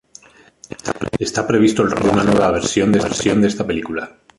Está previsto el rodaje de una nueva versión de esta película.